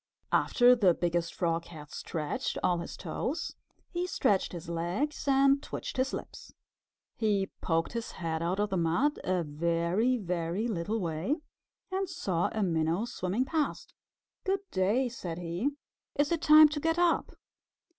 After the Biggest Frog had stretched all his toes, he stretched his legs and twitched his lips. He poked his head out of the mud a very, very little way, and saw a Minnow swimming past. "Good day!" said he. "Is it time to get up?"